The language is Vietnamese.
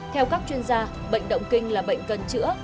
theo các chuyên gia bệnh động kinh là bệnh cần chữa